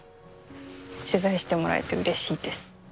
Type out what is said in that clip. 取材してもらえてうれしいです。